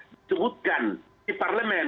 disebutkan di parlemen